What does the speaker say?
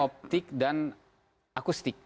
optik dan akustik